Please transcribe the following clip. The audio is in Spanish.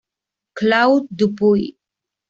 Claude Dupuy.